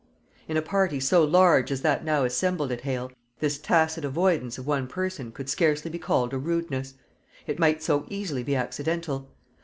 In a party so large as that now assembled at Hale, this tacit avoidance of one person could scarcely be called a rudeness. It might so easily be accidental.